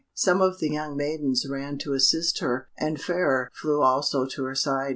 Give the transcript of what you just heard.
Some of the young maidens ran to assist her, and Fairer flew also to her side.